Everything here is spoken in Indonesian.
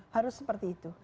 harus seperti itu